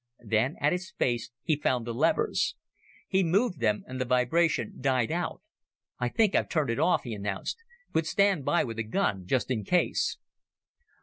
Then, at its base, he found the levers. He moved them and the vibration died out. "I think I've turned it off," he announced. "But stand by with a gun, just in case."